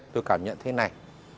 tôi cảm nhận thế này